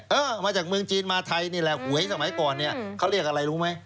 เออมาจากเมืองจีนมาไทยนี่แหละหวยสมัยก่อนเนี่ยเขาเรียกอะไรรู้ไหม